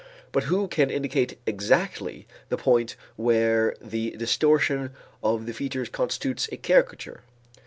But who can indicate exactly the point where the distortion of the features constitutes a caricature?